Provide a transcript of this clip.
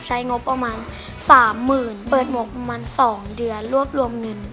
ใช้งบประมาณ๓๐๐๐เปิดหมวกประมาณ๒เดือนรวบรวมเงิน